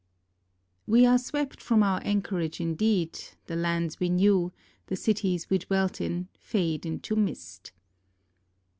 We are swept from our anchorage indeed, the lands we knew, the cities we dwelt in, fade into mist.